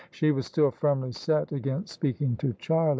She was still firmly set against speaking to Charlie.